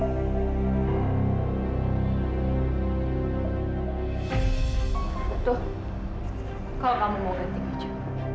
hai tuh kau mau ganti aja